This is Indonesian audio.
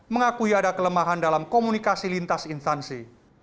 mengakui ada kelemahan dalam komunikasi lintas instansi